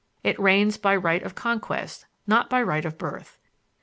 It reigns by right of conquest, not by right of birth.